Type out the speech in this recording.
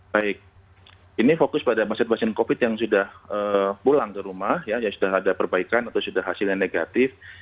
baik ini fokus pada pasien pasien covid yang sudah pulang ke rumah sudah ada perbaikan atau sudah hasilnya negatif